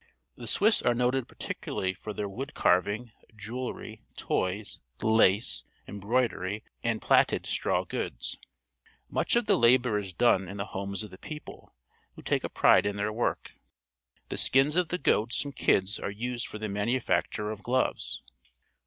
The Swiss are noted particularly for their wood carving, jewellery, toys, lace, embroid ery, and plaited straw goods. Much of the 186 PUBLIC SCHOOL GEOGRAPHY labour is done in the homes of the people, who take a pride in their work. The skins of the goats and kids are used for the manufacture of gloves.